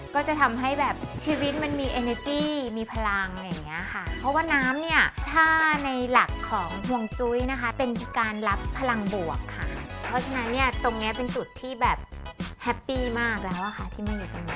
ก็จะทำให้แบบชีวิตมันมีเอเนอร์จี้มีพลังอะไรอย่างเงี้ยค่ะเพราะว่าน้ำเนี่ยถ้าในหลักของห่วงจุ้ยนะคะเป็นการรับพลังบวกค่ะเพราะฉะนั้นเนี่ยตรงเนี้ยเป็นจุดที่แบบแฮปปี้มากแล้วอะค่ะที่มาอยู่ตรงนี้